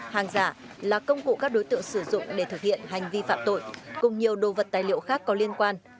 hàng giả là công cụ các đối tượng sử dụng để thực hiện hành vi phạm tội cùng nhiều đồ vật tài liệu khác có liên quan